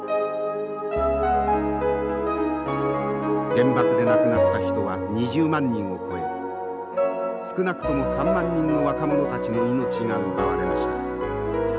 原爆で亡くなった人は２０万人を超え少なくとも３万人の若者たちの命が奪われました。